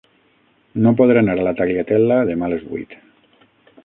No podré anar a la Tagliatella demà a les vuit.